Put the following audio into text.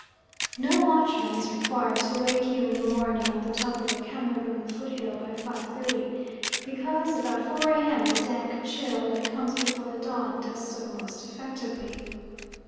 No watchman is required to wake you in the morning on the top of a Cameroon foot hill by 5.30, because about 4 A.M. the dank chill that comes before the dawn does so most effectively.